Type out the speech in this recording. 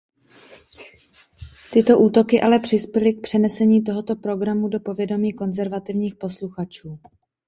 Tyto útoky ale přispěly k přenesení tohoto programu do povědomí konzervativních posluchačů.